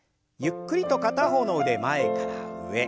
ゆっくりと片方の腕前から上。